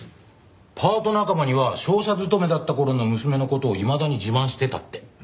パート仲間には商社勤めだった頃の娘の事をいまだに自慢してたって。